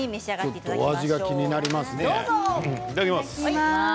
いただきます。